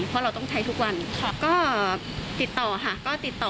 เพราะเราต้องใช้ทุกวันค่ะก็ติดต่อค่ะก็ติดต่อ